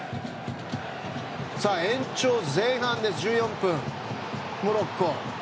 延長前半１４分のモロッコ。